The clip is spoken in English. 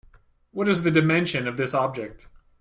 What is the dimension of this object?